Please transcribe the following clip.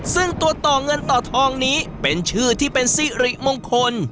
ซึ่งตัวต่อเงินต่อทองนี้เป็นชื่อที่เป็นสิริมงคล